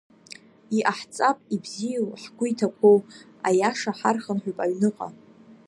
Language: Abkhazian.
Иҟаҳҵап, ибзиоу ҳгәы иҭақәоу, аиаша ҳархынҳәып аҩныҟа…